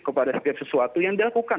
kepada setiap sesuatu yang dilakukan